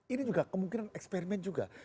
ini juga kemungkinan eksperimen juga